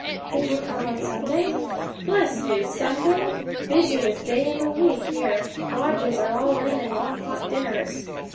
'Could you come on Sunday?' 'Bless you! Sunday? busiest day in the week here; lodgers are all in, and want hot dinners!'